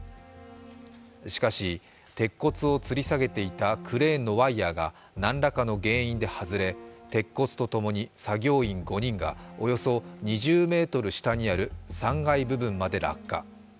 しかし、鉄骨をつり下げていたクレーンのワイヤーが何らかの原因で外れ、鉄骨とともに作業員５人がおよそ２０ｍ下にある３階部分まで落下。